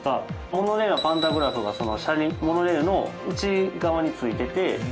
モノレールはパンタグラフが車輪モノレールの内側についてて。